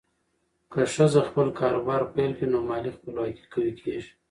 که ښځه خپل کاروبار پیل کړي، نو مالي خپلواکي قوي کېږي.